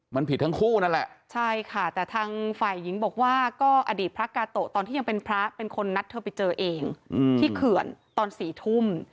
มันผิดทั้งคู่นั่นแหละใช่ค่ะแต่ทางฝ่ายหญิงบอกว่าก็อดีตพระกาโตะตอนที่ยังเป็นพระเป็นคนนัดเธอไปเจอเองที่เขื่อนตอน๔ทุ่ม